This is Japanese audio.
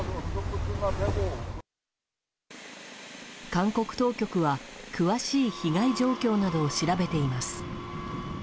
韓国当局は、詳しい被害状況などを調べています。